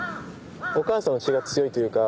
お母さんの血が強いというか。